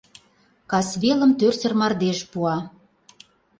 Касвелым тӧрсыр мардеж пуа.